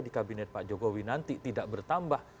di kabinet pak jokowi nanti tidak bertambah